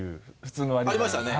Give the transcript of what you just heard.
ありましたね